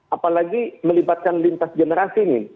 apalagi melibatkan lintas generasi nih